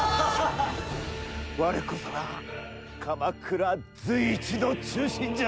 我こそが鎌倉随一の忠臣じゃ！